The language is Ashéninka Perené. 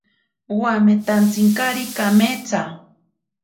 Wametantsinkari kametsari.